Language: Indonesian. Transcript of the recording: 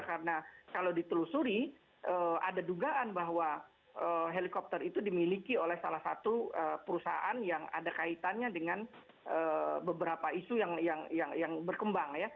karena kalau ditelusuri ada dugaan bahwa helikopter itu dimiliki oleh salah satu perusahaan yang ada kaitannya dengan beberapa isu yang berkembang ya